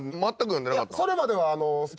いやそれまでは。